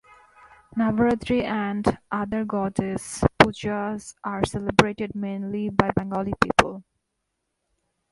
Navaratri and other Goddess Pujas are celebrated mainly by Bengali people.